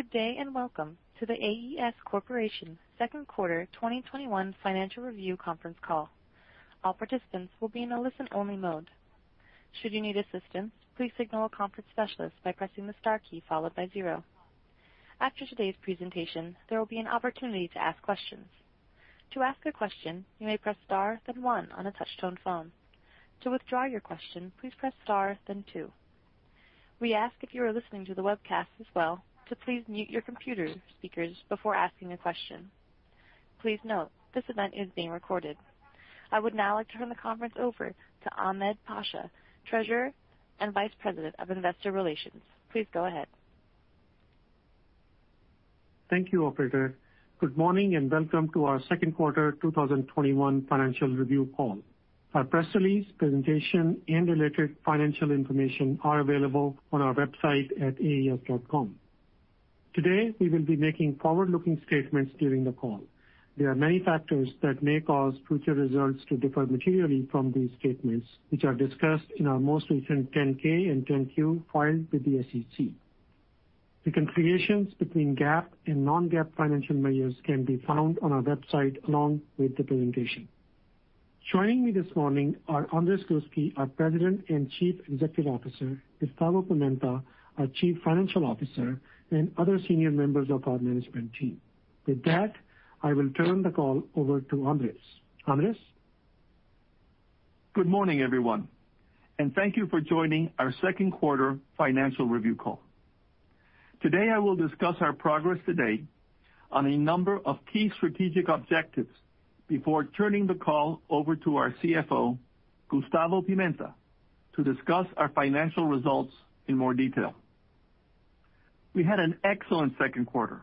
Good day, and welcome to The AES Corporation Second Quarter 2021 Financial Review Conference Call. All participants will be on listen-only mode. Should you need assistance, please signal a conference specialist by pressing the star key followed by zero. After stage presentation there will be an opportunity to ask questions. To ask a question, you may press star then one on your touch-tone phone. To withdraw your question, please press star then two. We ask if you are listening to the webcast as well, please mute your computers before asking your question. Please note that this conference is being recorded. I would now like to turn the conference over to Ahmed Pasha, Treasurer and Vice President of Investor Relations. Please go ahead. Thank you, operator. Good morning and welcome to our second quarter 2021 financial review call. Our press release, presentation, and related financial information are available on our website at aes.com. Today, we will be making forward-looking statements during the call. There are many factors that may cause future results to differ materially from these statements, which are discussed in our most recent 10-K and 10-Q filed with the SEC. The reconciliations between GAAP and non-GAAP financial measures can be found on our website along with the presentation. Joining me this morning are Andrés Gluski, our President and Chief Executive Officer, Gustavo Pimenta, our Chief Financial Officer, and other senior members of our management team. With that, I will turn the call over to Andrés. Andrés? Good morning, everyone, and thank you for joining our second quarter financial review call. Today, I will discuss our progress today on a number of key strategic objectives before turning the call over to our CFO, Gustavo Pimenta, to discuss our financial results in more detail. We had an excellent second quarter,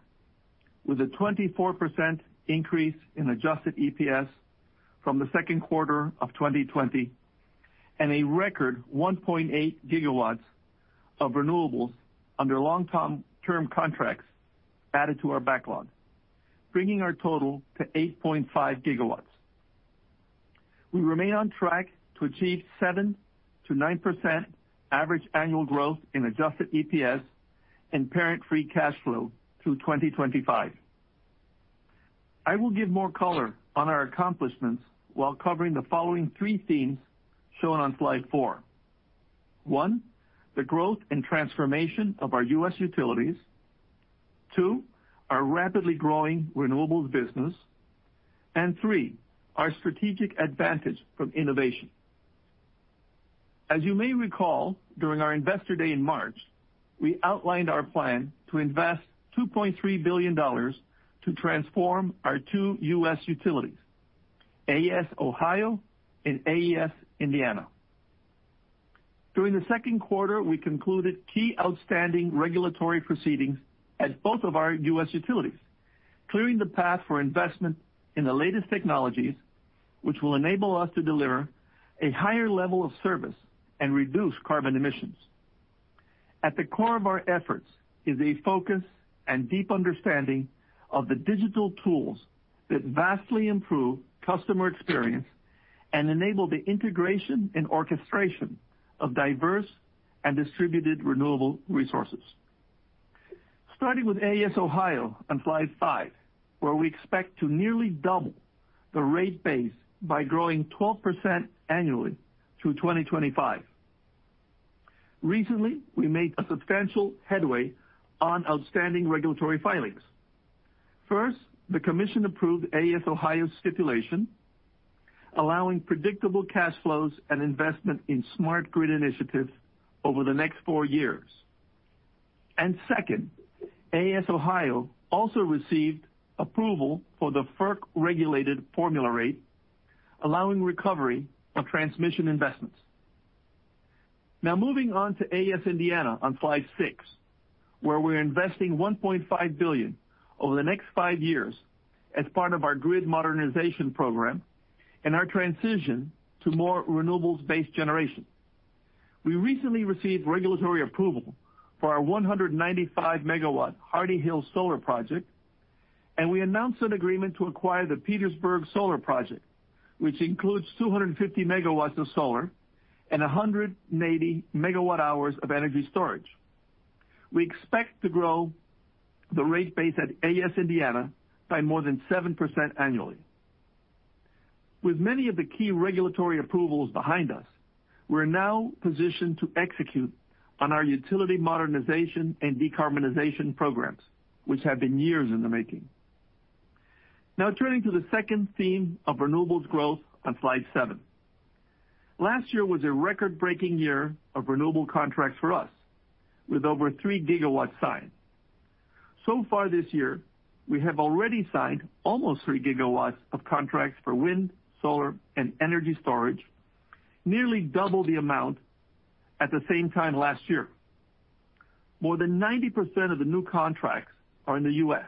with a 24% increase in adjusted EPS from the second quarter of 2020 and a record 1.8 GW of renewables under long-term contracts added to our backlog, bringing our total to 8.5 GW. We remain on track to achieve 7%-9% average annual growth in adjusted EPS and Parent Free Cash Flow through 2025. I will give more color on our accomplishments while covering the following three themes shown on slide four. One, the growth and transformation of our U.S. utilities. Two, our rapidly growing renewables business. Three, our strategic advantage from innovation. As you may recall, during our Investor Day in March, we outlined our plan to invest $2.3 billion to transform our two U.S. utilities, AES Ohio and AES Indiana. During the second quarter, we concluded key outstanding regulatory proceedings at both of our U.S. utilities, clearing the path for investment in the latest technologies, which will enable us to deliver a higher level of service and reduce carbon emissions. At the core of our efforts is a focus and deep understanding of the digital tools that vastly improve customer experience and enable the integration and orchestration of diverse and distributed renewable resources. Starting with AES Ohio on slide five, where we expect to nearly double the rate base by growing 12% annually through 2025. Recently, we made a substantial headway on outstanding regulatory filings. First, the commission approved AES Ohio's stipulation, allowing predictable cash flows and investment in smart grid initiatives over the next four years. Second, AES Ohio also received approval for the FERC-regulated formula rate, allowing recovery of transmission investments. Now moving on to AES Indiana on slide six, where we're investing $1.5 billion over the next five years as part of our grid modernization program and our transition to more renewables-based generation. We recently received regulatory approval for our 195 MW Hardy Hills Solar project, and we announced an agreement to acquire the Petersburg Solar project, which includes 250 MW of solar and 180 MWh of energy storage. We expect to grow the rate base at AES Indiana by more than 7% annually. With many of the key regulatory approvals behind us, we're now positioned to execute on our utility modernization and decarbonization programs, which have been years in the making. Turning to the second theme of renewables growth on slide seven. Last year was a record-breaking year of renewable contracts for us, with over 3 GW signed. So far this year, we have already signed almost 3 GW of contracts for wind, solar, and energy storage, nearly double the amount at the same time last year. More than 90% of the new contracts are in the U.S.,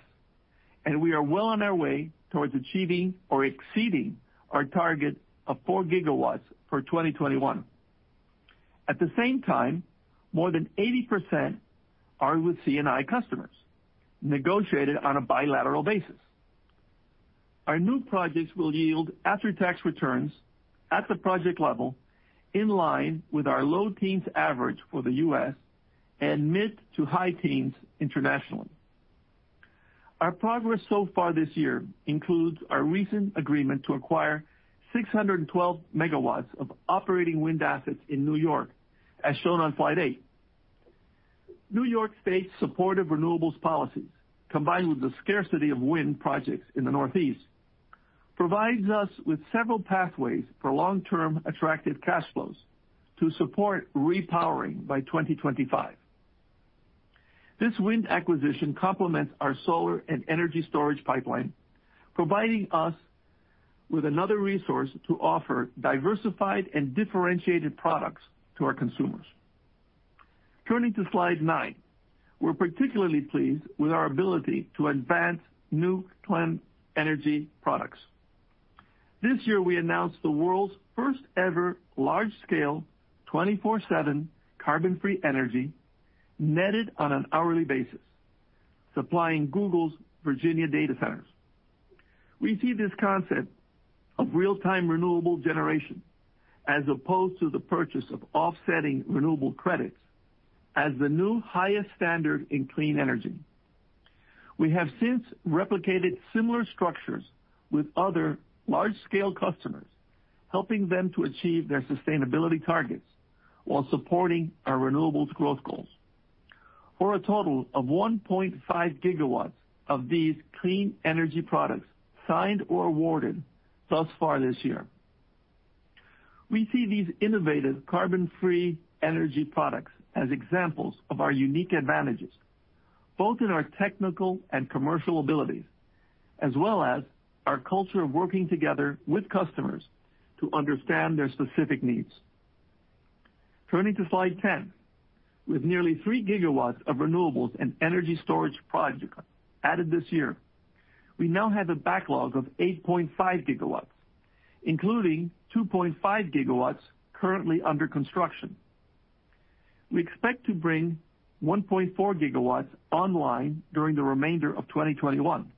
and we are well on our way towards achieving or exceeding our target of 4 GW for 2021. At the same time, more than 80% are with C&I customers, negotiated on a bilateral basis. Our new projects will yield after-tax returns at the project level in line with our low teens average for the U.S. and mid to high teens internationally. Our progress so far this year includes our recent agreement to acquire 612 MW of operating wind assets in New York, as shown on slide eight. New York state's supportive renewables policies, combined with the scarcity of wind projects in the Northeast, provides us with several pathways for long-term attractive cash flows to support repowering by 2025. This wind acquisition complements our solar and energy storage pipeline, providing us with another resource to offer diversified and differentiated products to our consumers. Turning to slide nine. We're particularly pleased with our ability to advance new clean energy products. This year we announced the world's first-ever large-scale, 24/7 carbon-free energy netted on an hourly basis, supplying Google's Virginia data centers. We see this concept of real-time renewable generation, as opposed to the purchase of offsetting renewable credits, as the new highest standard in clean energy. We have since replicated similar structures with other large-scale customers, helping them to achieve their sustainability targets while supporting our renewables growth goals, for a total of 1.5 GW of these clean energy products signed or awarded thus far this year. We see these innovative carbon-free energy products as examples of our unique advantages, both in our technical and commercial abilities, as well as our culture of working together with customers to understand their specific needs. Turning to slide 10. With nearly 3 GW of renewables and energy storage projects added this year, we now have a backlog of 8.5 GW, including 2.5 GW currently under construction. We expect to bring 1.4 GW online during the remainder of 2021.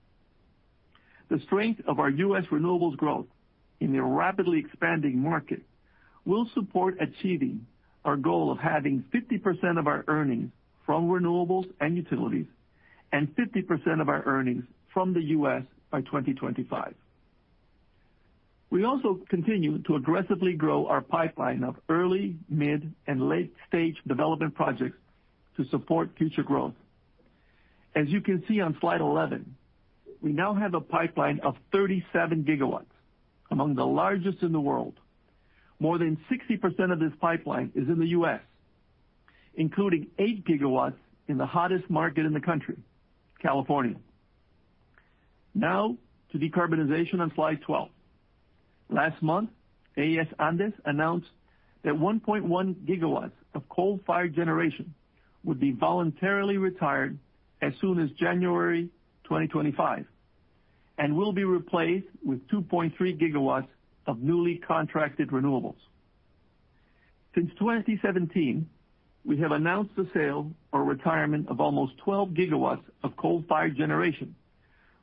The strength of our U.S. renewables growth in a rapidly expanding market will support achieving our goal of having 50% of our earnings from renewables and utilities and 50% of our earnings from the U.S. by 2025. We also continue to aggressively grow our pipeline of early, mid, and late-stage development projects to support future growth. As you can see on slide 11, we now have a pipeline of 37 GW, among the largest in the world. More than 60% of this pipeline is in the U.S., including 8 GW in the hottest market in the country, California. Now to decarbonization on slide 12. Last month, AES Andes announced that 1.1 GW of coal-fired generation would be voluntarily retired as soon as January 2025 and will be replaced with 2.3 GW of newly contracted renewables. Since 2017, we have announced the sale or retirement of almost 12 GW of coal-fired generation,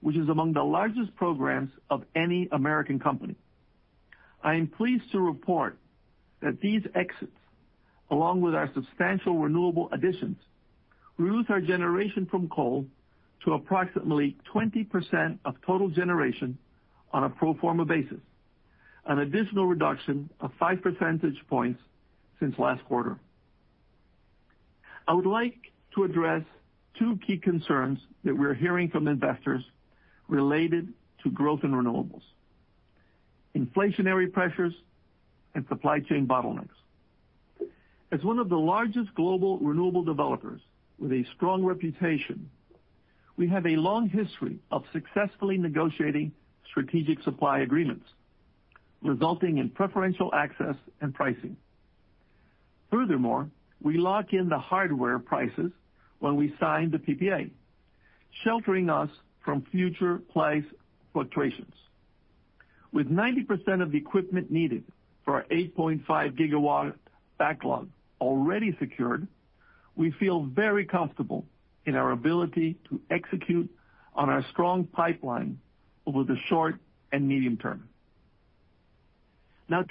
which is among the largest programs of any American company. I am pleased to report that these exits, along with our substantial renewable additions, reduce our generation from coal to approximately 20% of total generation on a pro forma basis, an additional reduction of five percentage points since last quarter. I would like to address two key concerns that we're hearing from investors related to growth in renewables: inflationary pressures and supply chain bottlenecks. As one of the largest global renewable developers with a strong reputation, we have a long history of successfully negotiating strategic supply agreements, resulting in preferential access and pricing. Furthermore, we lock in the hardware prices when we sign the PPA, sheltering us from future price fluctuations. With 90% of the equipment needed for our 8.5 GW backlog already secured, we feel very comfortable in our ability to execute on our strong pipeline over the short and medium term.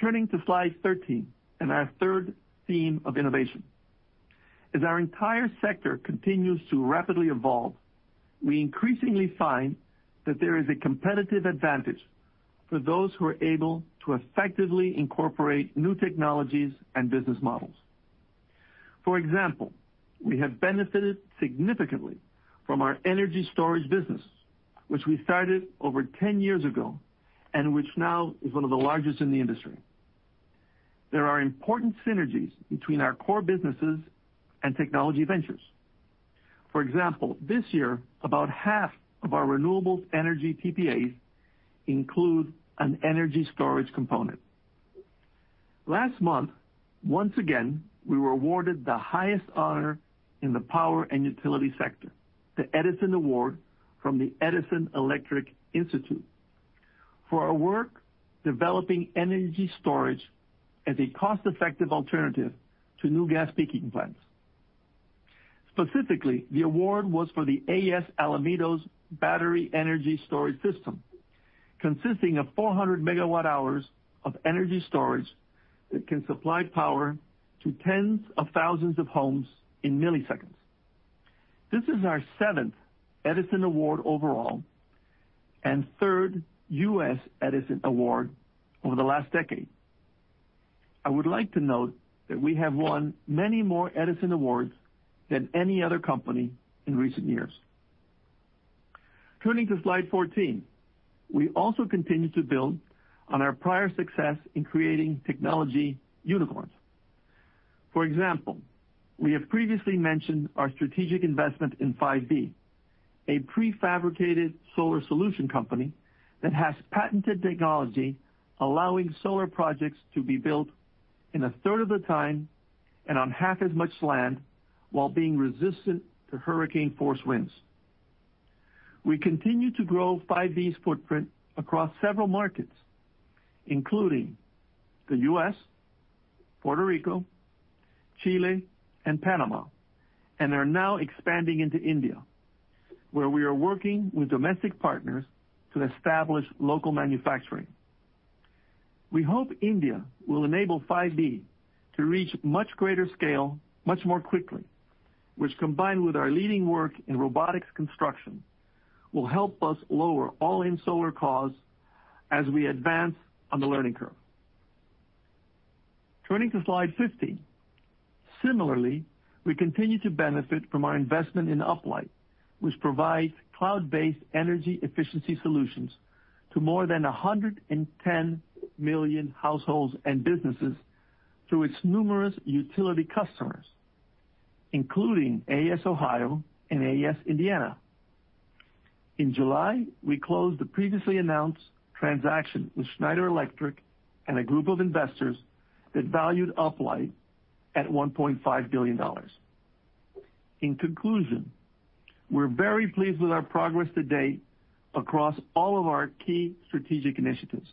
Turning to slide 13 and our third theme of innovation. Our entire sector continues to rapidly evolve, we increasingly find that there is a competitive advantage for those who are able to effectively incorporate new technologies and business models. We have benefited significantly from our energy storage business, which we started over 10 years ago and which now is one of the largest in the industry. There are important synergies between our core businesses and technology ventures. This year, about half of our renewables energy PPAs include an energy storage component. Last month, once again, we were awarded the highest honor in the power and utility sector, the Edison Award from the Edison Electric Institute, for our work developing energy storage as a cost-effective alternative to new gas peaking plants. Specifically, the award was for the AES Alamitos battery energy storage system, consisting of 400 MWh of energy storage that can supply power to tens of thousands of homes in milliseconds. This is our seventh Edison Award overall, and third U.S. Edison Award over the last decade. I would like to note that we have won many more Edison Awards than any other company in recent years. Turning to slide 14. We also continue to build on our prior success in creating technology unicorns. For example, we have previously mentioned our strategic investment in 5B, a prefabricated solar solution company that has patented technology allowing solar projects to be built in a third of the time and on half as much land, while being resistant to hurricane force winds. We continue to grow 5B's footprint across several markets, including the U.S., Puerto Rico, Chile, and Panama, and are now expanding into India, where we are working with domestic partners to establish local manufacturing. We hope India will enable 5B to reach much greater scale, much more quickly, which combined with our leading work in robotics construction, will help us lower all-in solar costs as we advance on the learning curve. Turning to slide 15. Similarly, we continue to benefit from our investment in Uplight, which provides cloud-based energy efficiency solutions to more than 110 million households and businesses through its numerous utility customers, including AES Ohio and AES Indiana. In July, we closed the previously announced transaction with Schneider Electric and a group of investors that valued Uplight at $1.5 billion. In conclusion, we're very pleased with our progress to date across all of our key strategic initiatives.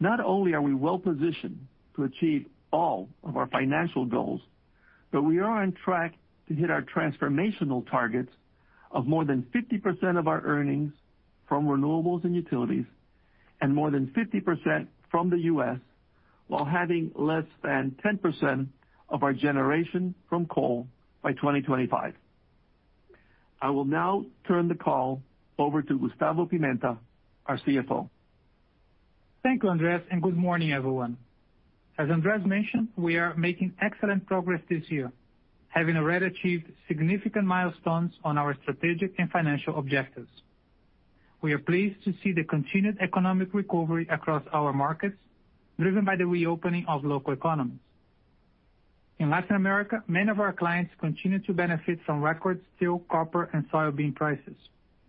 Not only are we well-positioned to achieve all of our financial goals, but we are on track to hit our transformational targets of more than 50% of our earnings from renewables and utilities, and more than 50% from the U.S., while having less than 10% of our generation from coal by 2025. I will now turn the call over to Gustavo Pimenta, our CFO. Thank you, Andrés, and good morning, everyone. As Andrés mentioned, we are making excellent progress this year, having already achieved significant milestones on our strategic and financial objectives. We are pleased to see the continued economic recovery across our markets, driven by the reopening of local economies. In Latin America, many of our clients continue to benefit from record steel, copper, and soybean prices,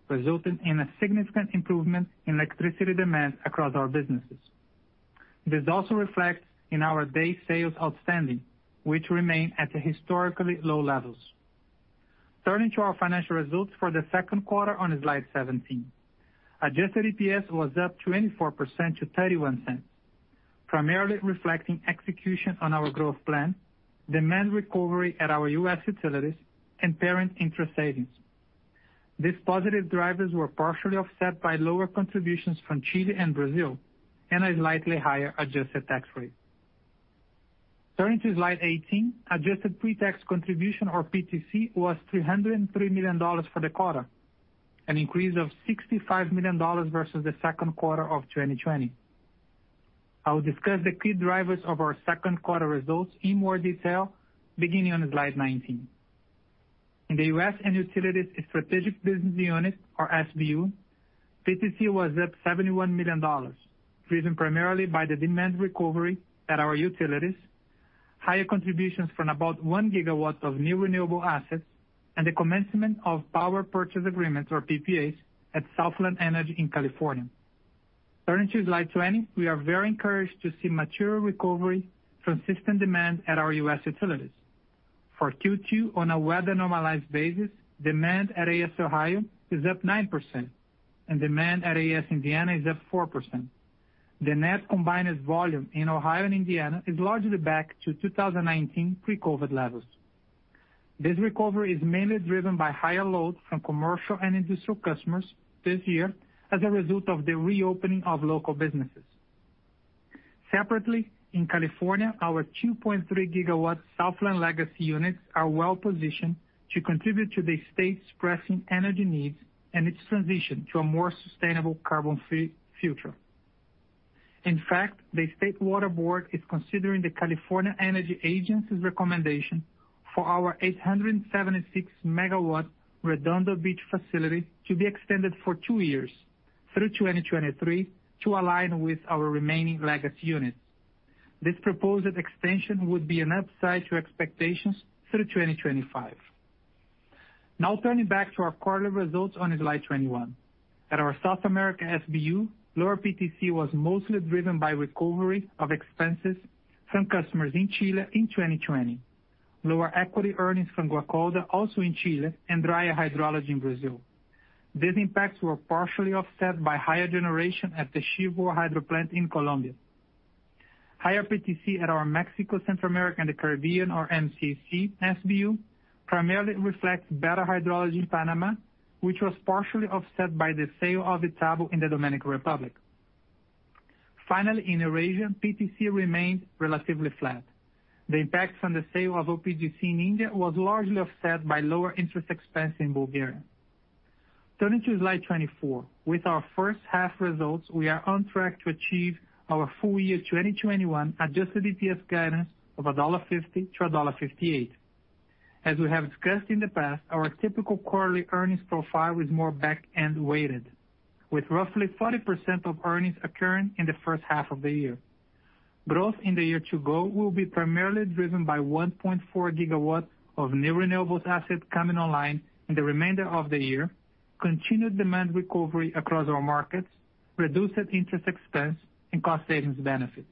resulting in a significant improvement in electricity demand across our businesses. This also reflects in our day sales outstanding, which remain at historically low levels. Turning to our financial results for the second quarter on slide 17. Adjusted EPS was up 24% to $0.31, primarily reflecting execution on our growth plan, demand recovery at our U.S. utilities, and parent interest savings. These positive drivers were partially offset by lower contributions from Chile and Brazil, and a slightly higher adjusted tax rate. Turning to slide 18. Adjusted pre-tax contribution or PTC was $303 million for the quarter, an increase of $65 million versus the second quarter of 2020. I will discuss the key drivers of our second quarter results in more detail, beginning on slide 19. In the U.S. and utilities strategic business unit or SBU, PTC was up $71 million, driven primarily by the demand recovery at our utilities, higher contributions from about 1 GW of new renewable assets, and the commencement of power purchase agreements or PPAs at Southland Energy in California. Turning to slide 20. We are very encouraged to see material recovery from system demand at our U.S. utilities. For Q2, on a weather-normalized basis, demand at AES Ohio is up 9%, and demand at AES Indiana is up 4%. The net combined volume in Ohio and Indiana is largely back to 2019 pre-COVID levels. This recovery is mainly driven by higher loads from commercial and industrial customers this year as a result of the reopening of local businesses. Separately, in California, our 2.3 GW Southland legacy units are well-positioned to contribute to the state's pressing energy needs and its transition to a more sustainable carbon-free future. In fact, the State Water Board is considering the California Energy Commission's recommendation for our 876 MW Redondo Beach facility to be extended for two years, through 2023, to align with our remaining legacy units. This proposed extension would be an upside to expectations through 2025. Turning back to our quarterly results on slide 21. At our South America SBU, lower PTC was mostly driven by recovery of expenses from customers in Chile in 2020, lower equity earnings from Guacolda, also in Chile, and drier hydrology in Brazil. These impacts were partially offset by higher generation at the Chivor hydroplant in Colombia. Higher PTC at our Mexico, Central America, and the Caribbean, or MCC SBU, primarily reflects better hydrology in Panama, which was partially offset by the sale of Itabo in the Dominican Republic. In Eurasia, PTC remained relatively flat. The impact from the sale of OPGC in India was largely offset by lower interest expense in Bulgaria. Turning to slide 24. With our first-half results, we are on track to achieve our full-year 2021 adjusted EPS guidance of $1.50-$1.58. As we have discussed in the past, our typical quarterly earnings profile is more back-end weighted, with roughly 40% of earnings occurring in the first half of the year. Growth in the year to go will be primarily driven by 1.4 GW of new renewables assets coming online in the remainder of the year, continued demand recovery across our markets, reduced interest expense, and cost savings benefits.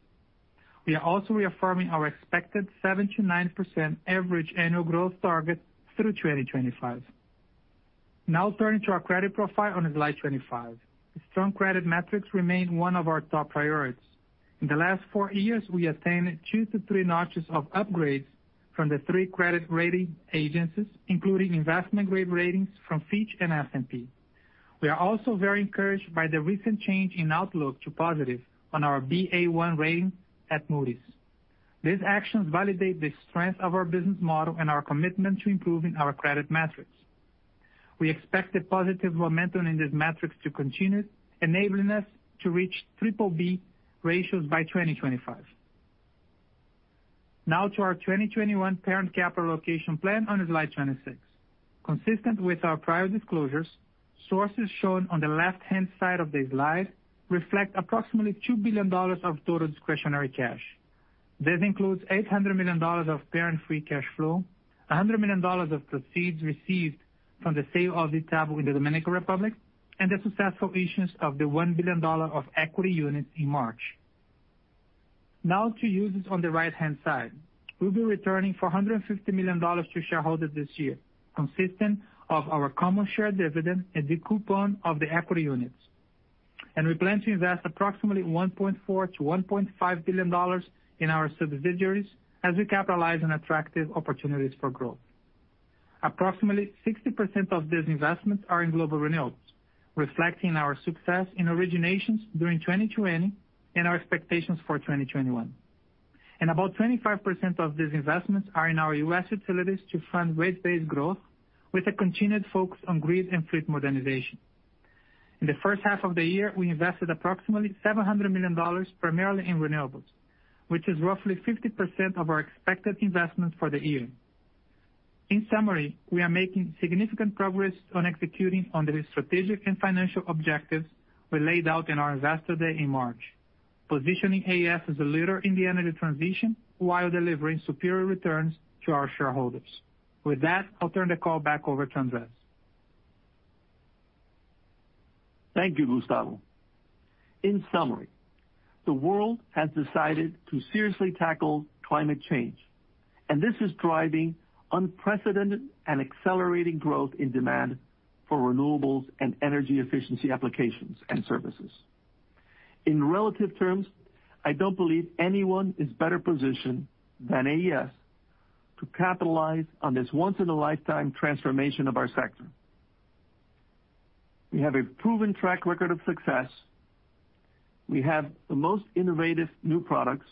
We are also reaffirming our expected 7%-9% average annual growth target through 2025. Turning to our credit profile on slide 25. Strong credit metrics remain one of our top priorities. In the last four years, we attained two to three notches of upgrades from the three credit rating agencies, including investment-grade ratings from Fitch and S&P. We are also very encouraged by the recent change in outlook to positive on our Ba1 rating at Moody's. These actions validate the strength of our business model and our commitment to improving our credit metrics. We expect the positive momentum in these metrics to continue, enabling us to reach BBB ratios by 2025. To our 2021 Parent Capital Allocation plan on slide 26. Consistent with our prior disclosures, sources shown on the left-hand side of the slide reflect approximately $2 billion of total discretionary cash. This includes $800 million of Parent Free Cash Flow, $100 million of proceeds received from the sale of Itabo in the Dominican Republic, and the successful issuance of the $1 billion of equity units in March. To uses on the right-hand side. We'll be returning $450 million to shareholders this year, consistent of our common share dividend and the coupon of the equity units. We plan to invest approximately $1.4 billion-$1.5 billion in our subsidiaries as we capitalize on attractive opportunities for growth. Approximately 60% of these investments are in global renewables, reflecting our success in originations during 2020 and our expectations for 2021. About 25% of these investments are in our U.S. utilities to fund rate-based growth, with a continued focus on grid and fleet modernization. In the first half of the year, we invested approximately $700 million primarily in renewables, which is roughly 50% of our expected investment for the year. In summary, we are making significant progress on executing on the strategic and financial objectives we laid out in our Investor Day in March, positioning AES as a leader in the energy transition while delivering superior returns to our shareholders. With that, I'll turn the call back over to Andrés. Thank you, Gustavo. In summary, the world has decided to seriously tackle climate change, and this is driving unprecedented and accelerating growth in demand for renewables and energy efficiency applications and services. In relative terms, I don't believe anyone is better positioned than AES to capitalize on this once-in-a-lifetime transformation of our sector. We have a proven track record of success. We have the most innovative new products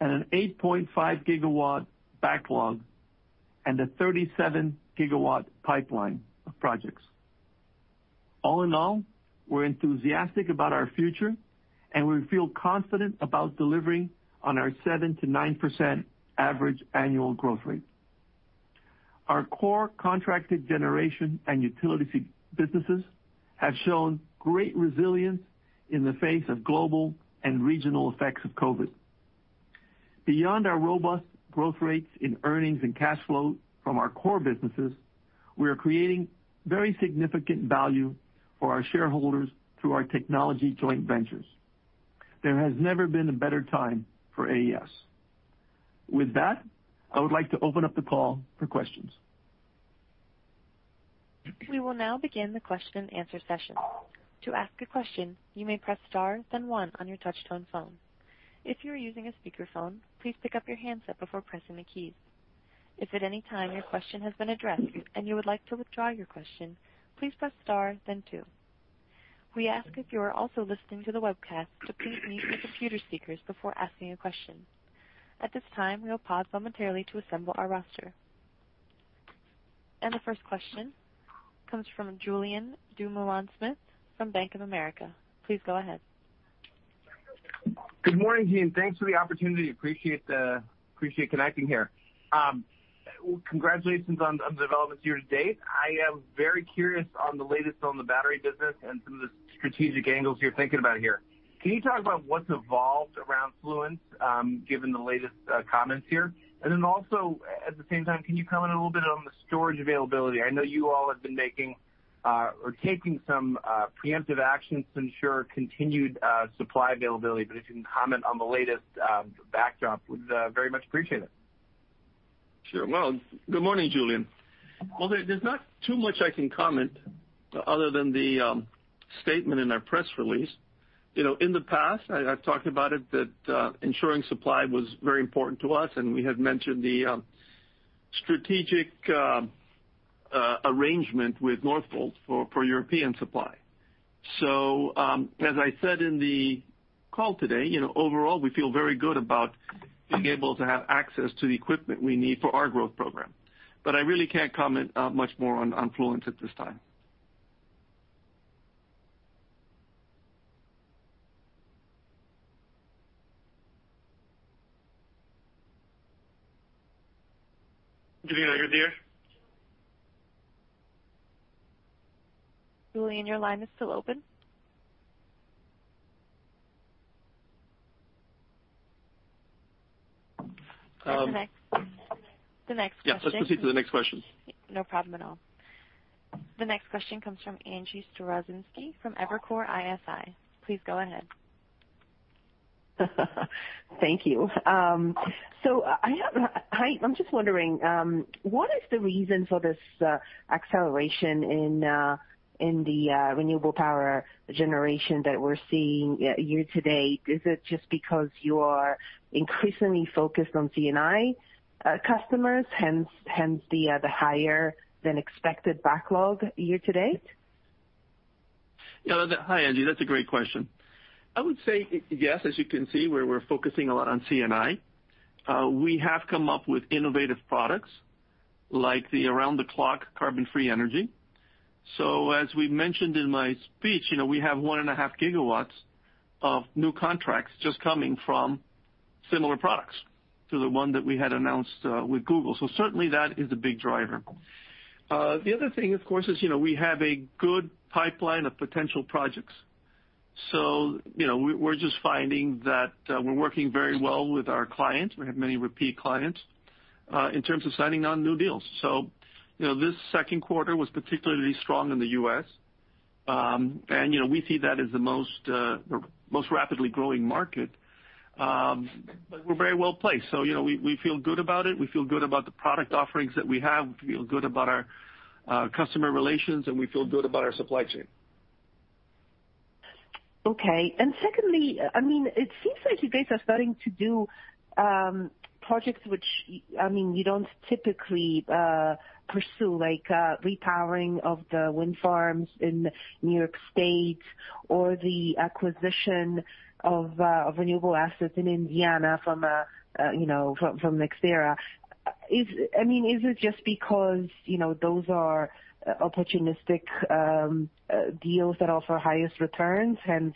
and an 8.5 GW backlog and a 37 GW pipeline of projects. All in all, we're enthusiastic about our future, and we feel confident about delivering on our 7%-9% average annual growth rate. Our core contracted generation and utility businesses have shown great resilience in the face of global and regional effects of COVID. Beyond our robust growth rates in earnings and cash flow from our core businesses, we are creating very significant value for our shareholders through our technology joint ventures. There has never been a better time for AES. With that, I would like to open up the call for questions. We will now begin the question-and-answer session. To ask a question you may press star and one on your touch-tone phone. If you are using a speaker phone, please pick up your handset before pressing the key. If at anytime your question has been addressed and you would like to withdraw your question please press star then two. We ask if you are also listening to the webcast please mute your computer before asking a question. At this time, we will pause to assemble a roster. The first question comes from Julien Dumoulin-Smith from Bank of America. Please go ahead. Good morning to you, and thanks for the opportunity. Appreciate connecting here. Congratulations on the developments year-to-date. I am very curious on the latest on the battery business and some of the strategic angles you're thinking about here. Can you talk about what's evolved around Fluence, given the latest comments here? At the same time, can you comment a little bit on the storage availability? I know you all have been making or taking some preemptive actions to ensure continued supply availability, but if you can comment on the latest backdrop, would very much appreciate it. Sure. Good morning, Julien. There's not too much I can comment other than the statement in our press release. In the past, I've talked about it, that ensuring supply was very important to us, and we had mentioned the strategic arrangement with Northvolt for European supply. As I said in the call today, overall, we feel very good about being able to have access to the equipment we need for our growth program. I really can't comment much more on Fluence at this time. Julien, are you there? Julien, your line is still open. The next question. Yeah, let's proceed to the next question. No problem at all. The next question comes from Angie Storozynski from Evercore ISI. Please go ahead. Thank you. I'm just wondering, what is the reason for this acceleration in the renewable power generation that we're seeing year-to-date? Is it just because you are increasingly focused on C&I customers, hence the higher than expected backlog year-to-date? Yeah. Hi, Angie. That's a great question. I would say yes. As you can see, we're focusing a lot on C&I. We have come up with innovative products like the around-the-clock carbon-free energy. As we mentioned in my speech, we have 1.5 GW of new contracts just coming from similar products to the one that we had announced with Google. Certainly that is a big driver. The other thing, of course, is we have a good pipeline of potential projects. We're just finding that we're working very well with our clients, we have many repeat clients, in terms of signing on new deals. This second quarter was particularly strong in the U.S., and we see that as the most rapidly growing market. We're very well-placed, so we feel good about it. We feel good about the product offerings that we have. We feel good about our customer relations, and we feel good about our supply chain. Okay. Secondly, it seems like you guys are starting to do projects which you don't typically pursue, like repowering of the wind farms in New York State or the acquisition of renewable assets in Indiana from NextEra. Is it just because those are opportunistic deals that offer highest returns, hence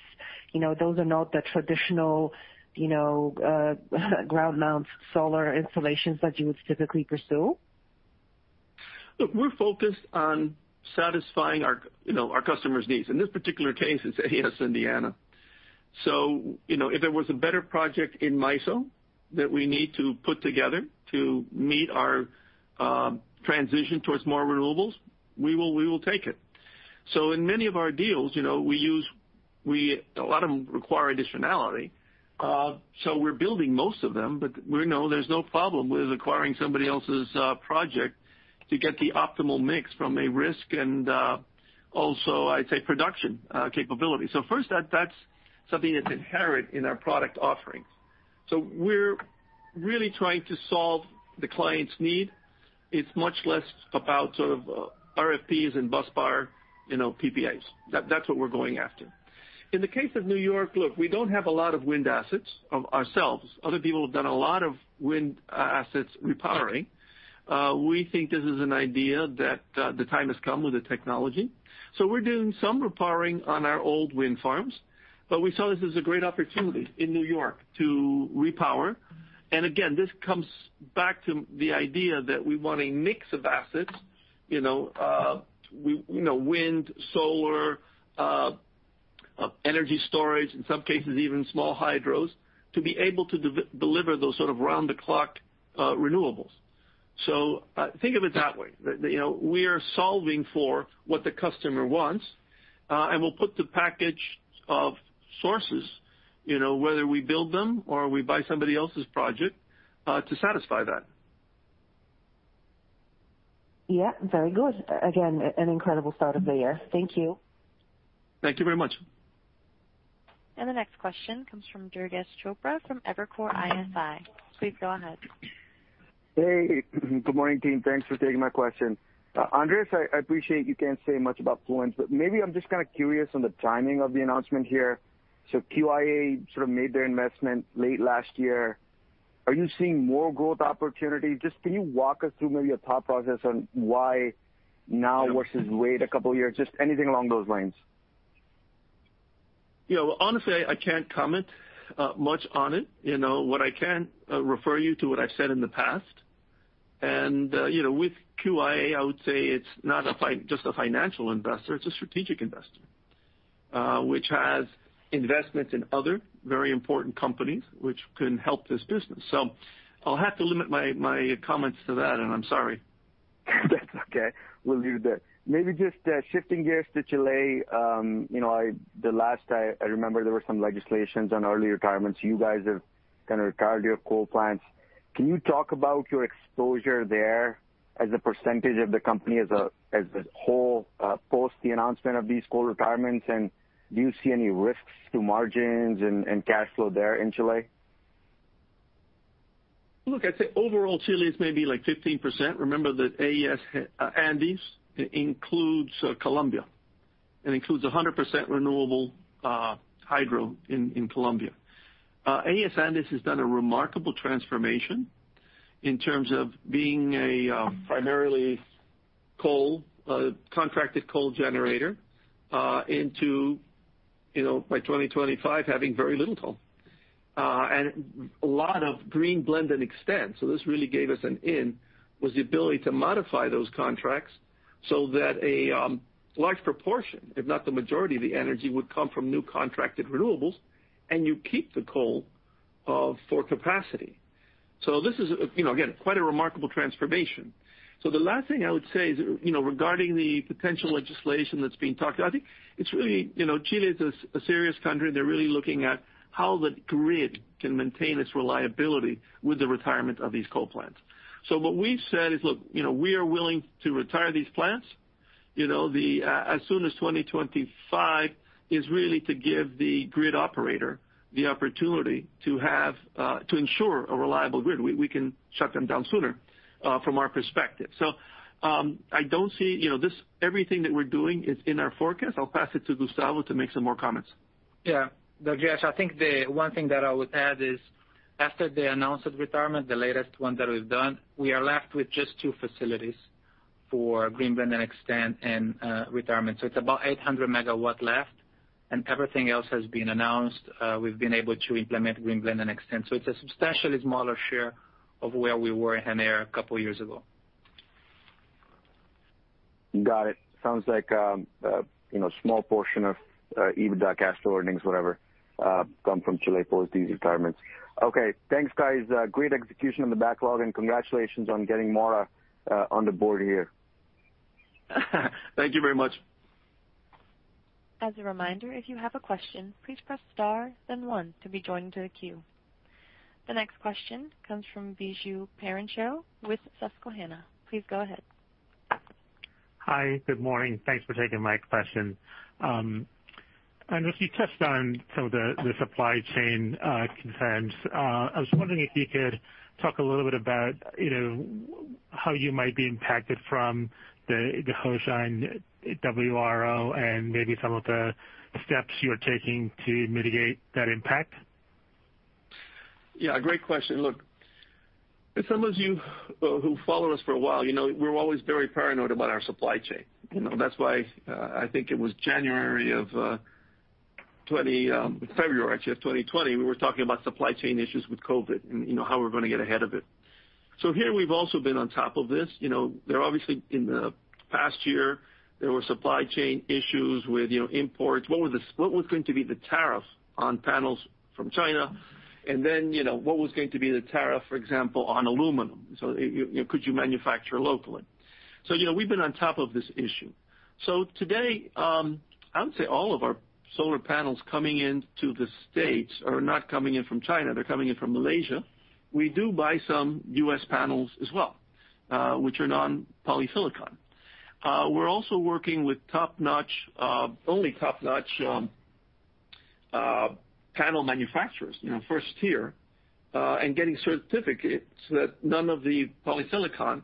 those are not the traditional ground mount solar installations that you would typically pursue? Look, we're focused on satisfying our customers' needs. In this particular case, it's AES Indiana. If there was a better project in MISO that we need to put together to meet our transition towards more renewables, we will take it. In many of our deals, a lot of them require additionality. We're building most of them, but there's no problem with acquiring somebody else's project to get the optimal mix from a risk and also, I'd say, production capability. First, that's something that's inherent in our product offerings. We're really trying to solve the client's need. It's much less about sort of RFPs and busbar PPAs. That's what we're going after. In the case of New York, look, we don't have a lot of wind assets ourselves. Other people have done a lot of wind assets repowering. We think this is an idea that the time has come with the technology. We're doing some repowering on our old wind farms. We saw this as a great opportunity in New York to repower. Again, this comes back to the idea that we want a mix of assets, wind, solar, energy storage, in some cases even small hydros, to be able to deliver those sort of around-the-clock renewables. Think of it that way. We are solving for what the customer wants, and we'll put the package of sources, whether we build them or we buy somebody else's project, to satisfy that. Yeah, very good. Again, an incredible start of the year. Thank you. Thank you very much. The next question comes from Durgesh Chopra from Evercore ISI. Please go ahead. Hey. Good morning, team. Thanks for taking my question. Andrés, I appreciate you can't say much about Fluence, Maybe I'm just kind of curious on the timing of the announcement here. QIA sort of made their investment late last year. Are you seeing more growth opportunity? Can you walk us through maybe your thought process on why now versus wait a couple of years? Anything along those lines. Honestly, I can't comment much on it. What I can refer you to what I've said in the past. With QIA, I would say it's not just a financial investor, it's a strategic investor, which has investments in other very important companies, which can help this business. I'll have to limit my comments to that, and I'm sorry. That's okay. We'll leave it there. Maybe just shifting gears to Chile. The last I remember, there were some legislations on early retirements. You guys have kind of retired your coal plants. Can you talk about your exposure there as a percentage of the company as a whole, post the announcement of these coal retirements, and do you see any risks to margins and cash flow there in Chile? I'd say overall, Chile is maybe 15%. Remember that AES Andes includes Colombia, and includes 100% renewable hydro in Colombia. AES Andes has done a remarkable transformation in terms of being a primarily contracted coal generator into, by 2025, having very little coal. A lot of Green Blend and Extend. This really gave us an in, was the ability to modify those contracts so that a large proportion, if not the majority of the energy, would come from new contracted renewables, and you keep the coal for capacity. This is, again, quite a remarkable transformation. The last thing I would say is, regarding the potential legislation that's being talked about, I think Chile is a serious country, and they're really looking at how the grid can maintain its reliability with the retirement of these coal plants. What we've said is, look, we are willing to retire these plants, as soon as 2025, is really to give the grid operator the opportunity to ensure a reliable grid. We can shut them down sooner, from our perspective. Everything that we're doing is in our forecast. I'll pass it to Gustavo to make some more comments. Durgesh, I think the one thing that I would add is after the announced retirement, the latest one that we've done, we are left with just two facilities for Green Blend and Extend and retirement. It's about 800 MW left, and everything else has been announced. We've been able to implement Green Blend and Extend. It's a substantially smaller share of where we were a couple of years ago. Got it. Sounds like a small portion of EBITDA, cash or earnings, whatever, come from Chile post these retirements. Okay, thanks, guys. Great execution on the backlog. Congratulations on getting more on the board here. Thank you very much. As a reminder, if you have a question, please press star then one to be joined to the queue. The next question comes from Biju Perincheril with Susquehanna. Please go ahead. Hi. Good morning. Thanks for taking my question. Andrés, you touched on some of the supply chain concerns. I was wondering if you could talk a little bit about how you might be impacted from the Hoshine WRO and maybe some of the steps you're taking to mitigate that impact. Yeah, great question. Look, some of you who followed us for a while, you know we're always very paranoid about our supply chain. That's why I think it was February of 2020, we were talking about supply chain issues with COVID and how we're going to get ahead of it. Here we've also been on top of this. In the past year, there were supply chain issues with imports. What was going to be the tariff on panels from China? What was going to be the tariff, for example, on aluminum? Could you manufacture locally? We've been on top of this issue. Today, I would say all of our solar panels coming into the U.S. are not coming in from China, they're coming in from Malaysia. We do buy some U.S. panels as well, which are non-polysilicon. We're also working with only top-notch panel manufacturers, first tier, and getting certificates that none of the polysilicon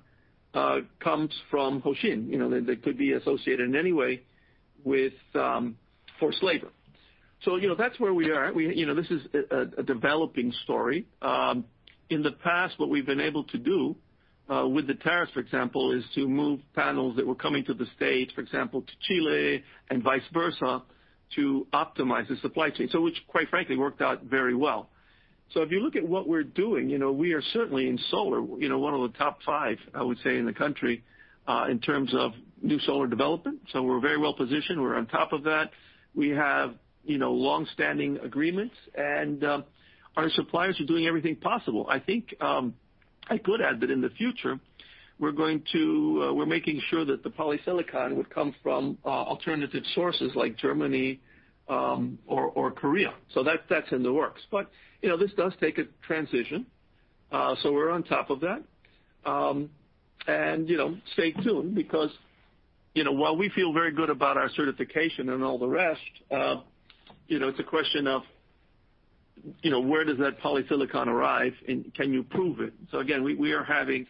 comes from Hoshine. That could be associated in any way with forced labor. That's where we are. This is a developing story. In the past, what we've been able to do, with the tariffs, for example, is to move panels that were coming to the U.S., for example, to Chile and vice versa, to optimize the supply chain. Which, quite frankly, worked out very well. If you look at what we're doing, we are certainly in solar, one of the top five, I would say, in the country, in terms of new solar development. We're very well-positioned. We're on top of that. We have longstanding agreements, and our suppliers are doing everything possible. I think I could add that in the future, we're making sure that the polysilicon would come from alternative sources like Germany or Korea. That's in the works. This does take a transition. We're on top of that. Stay tuned because while we feel very good about our certification and all the rest, it's a question of where does that polysilicon arrive, and can you prove it? Again, we are having,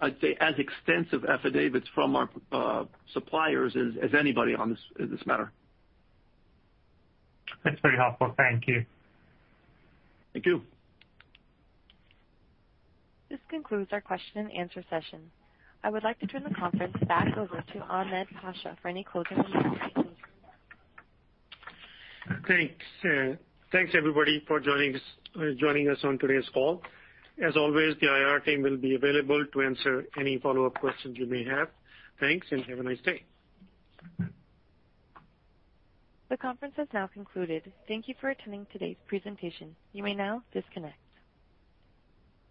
I'd say, as extensive affidavits from our suppliers as anybody on this matter. That's very helpful. Thank you. Thank you. This concludes our question-and-answer session. I would like to turn the conference back over to Ahmed Pasha for any closing remarks. Thank you. Thanks, everybody for joining us on today's call. As always, the IR team will be available to answer any follow-up questions you may have. Thanks, and have a nice day. The conference has now concluded. Thank you for attending today's presentation. You may now disconnect.